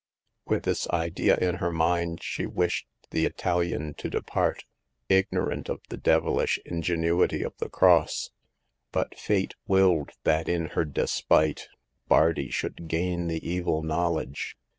With this idea in her mind she wished the Italian to depart, ignorant of the devilish in genuity of the cross. But Fate willed that in her despite Bardi should gain the evil knowledge.